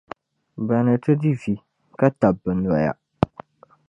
ba ni ti di vi, ka tabi bɛ noya.